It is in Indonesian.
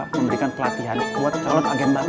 memberikan pelatihan kuat calon agen baru